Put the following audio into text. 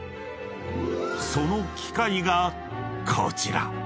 ［その機械がこちら］